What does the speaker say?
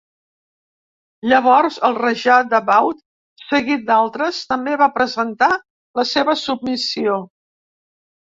Llavors el raja de Baud, seguit d'altres, també va presentar la seva submissió.